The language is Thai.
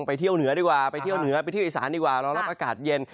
เที่ยวเหนือดีกว่าไปเที่ยวเหนือไปเที่ยวอีสานดีกว่ารอรับอากาศเย็น